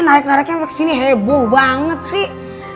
narik nariknya mbak kesini heboh banget sih